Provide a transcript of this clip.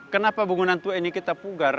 kenapa bangunan tua ini kita pugar